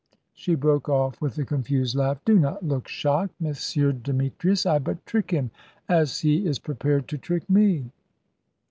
she broke off with a confused laugh, "do not look shocked, M. Demetrius. I but trick him, as he is prepared to trick me."